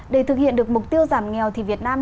để thực hiện được mục tiêu giảm nghèo thì việt nam